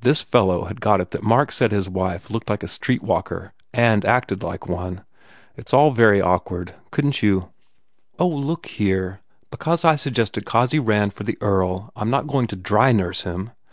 This fellow had got it that Mark said his wife looked like a streetwalker and acted like one. It s all very awkward. Couldn t you " "Oh, look here! Because I suggested Cossy Rand for the Earl I m not going to drynurse him